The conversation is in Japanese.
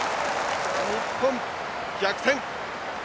日本、逆転！